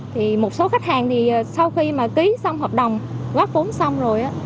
thì một số khách hàng thì sau khi mà ký xong hợp đồng góp vốn xong rồi